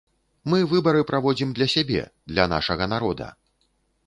Мы выбары праводзім для сябе, для нашага народа.